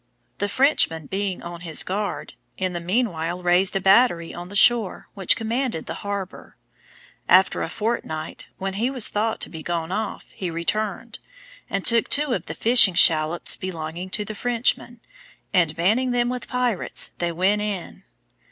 The Frenchman being on his guard, in the meanwhile raised a battery on the shore, which commanded the harbor. After a fortnight, when he was thought to be gone off, he returned, and took two of the fishing shallops belonging to the Frenchman, and manning them with pirates, they went in.